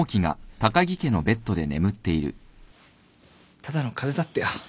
ただの風邪だってよ。